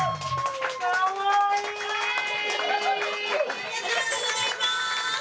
ありがとうございます！